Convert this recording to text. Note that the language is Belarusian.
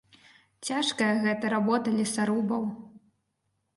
Цяжкая гэтая работа лесарубаў.